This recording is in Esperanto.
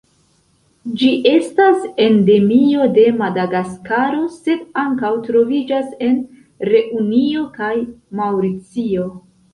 Ĝi estas endemio de Madagaskaro, sed ankaŭ troviĝas en Reunio kaj Maŭricio.